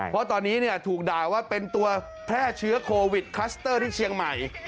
เพราะตอนนี้ถูกด่าว่าเป็นตัวแพร่เชื้อโควิดคลัสเตอร์ที่เชียงใหม่